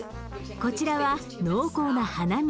こちらは濃厚な鼻水。